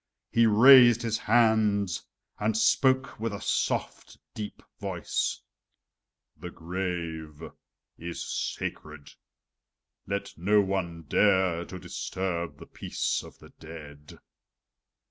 He raised his hand and spoke with a soft, deep voice: "The grave is sacred! Let no one dare to disturb the peace of the dead."